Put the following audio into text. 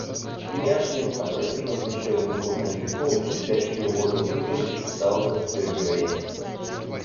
Яшвин, опрокинув еще рюмку коньяку в шипящую воду, выпил и встал, застегиваясь.